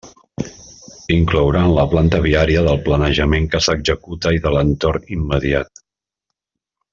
Inclouran la planta viària del planejament que s'executa i de l'entorn immediat.